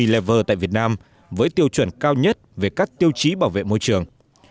plever tại việt nam với tiêu chuẩn cao nhất về các tiêu chí bảo vệ môi trường